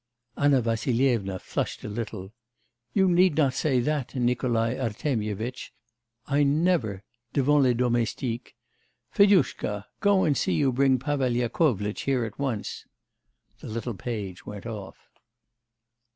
Anna Vassilyevna flushed a little. 'You need not say that, Nikolai Artemyevitch. I never... devant les domestiques... Fedushka, go and see you bring Pavel Yakovlitch here at once.' The little page went off.